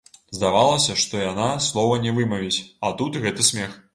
Здавалася, што яна слова не вымавіць, а тут гэты смех!